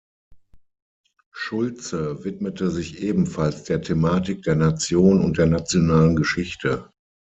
Schulze widmete sich ebenfalls der Thematik der Nation und der nationalen Geschichte.